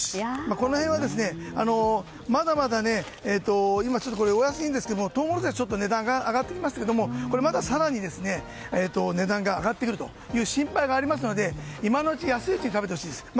この辺はまだまだお安いですがトウモロコシは値段が上がってきましたがまた更に値段が上がってくる心配がありますので今のうち、安いうちに食べてほしいです。